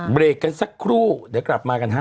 เบรกกันสักครู่เดี๋ยวกลับมากันฮะ